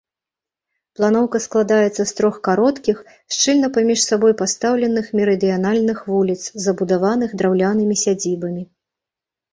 Планоўка складаецца з трох кароткіх, шчыльна паміж сабой пастаўленых мерыдыянальных вуліц, забудаваных драўлянымі сядзібамі.